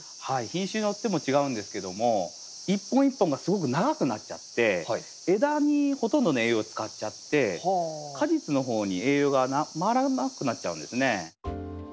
品種によっても違うんですけども一本一本がすごく長くなっちゃって枝にほとんどの栄養を使っちゃって果実の方に栄養が回らなくなっちゃうんですね。